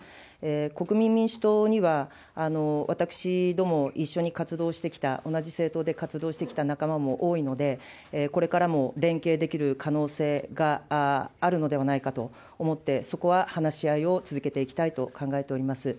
国民民主党には私ども、一緒に活動してきた同じ政党で活動してきた仲間も多いので、これからも連携できる可能性があるのではないかと思って、そこは話し合いを続けていきたいと考えております。